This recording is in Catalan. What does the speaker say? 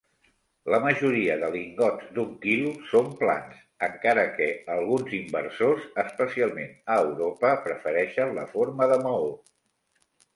La majoria de lingots d'un quilo són plans, encara que alguns inversors, especialment a Europa, prefereixen la forma de maó.